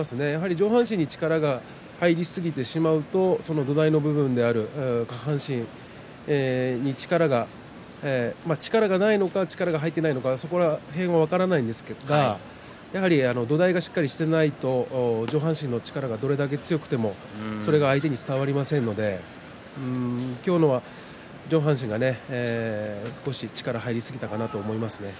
上半身に力が入りすぎてしまうと土台の部分の下半身力がないのか力が入っていないのかそこら辺は分かりませんが土台がしっかりしていないと上半身の力がどれだけ強くてもそれが相手に伝わりませんので今日のは上半身が少し力が入りすぎたかなと思いますね。